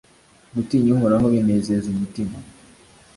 gutinya uhoraho binezeza umutima